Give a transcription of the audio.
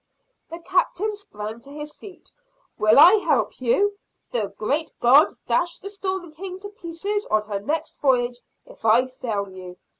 The Captain sprang to his feet. "Will I help you? The great God dash the Storm King to pieces on her next voyage if I fail you!